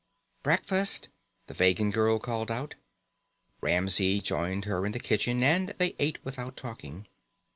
"Breakfast!" the Vegan girl called. Ramsey joined her in the kitchen, and they ate without talking.